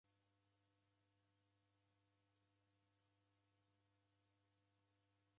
Diduagha diseelelo ni ilagho jingi.